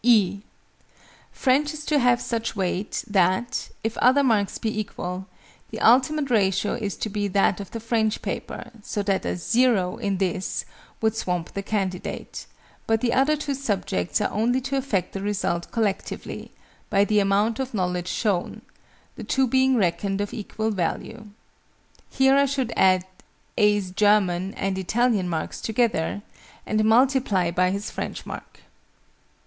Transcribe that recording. (e) French is to have such weight, that, if other marks be equal, the ultimate ratio is to be that of the French paper, so that a "0" in this would swamp the candidate: but the other two subjects are only to affect the result collectively, by the amount of knowledge shown, the two being reckoned of equal value. Here I should add A's German and Italian marks together, and multiply by his French mark.